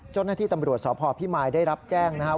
เจ้าหน้าที่ตำรวจสพพิมายได้รับแจ้งนะครับ